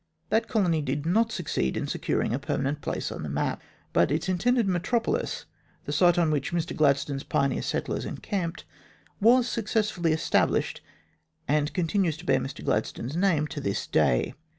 That colony did not succeed in securing a permanent place on the map, but its intended metropolis the site on which Mr Gladstone's pioneer settlers encamped was successfully established and continues to bear Mr Gladstone's name to this day.